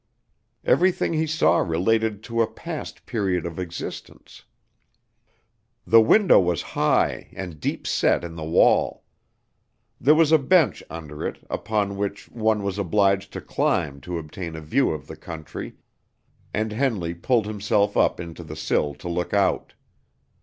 Everything he saw related to a past period of existence. The window was high, and deep set in the wall. There was a bench under it, upon which one was obliged to climb to obtain a view of the country, and Henley pulled himself up into the sill to look out.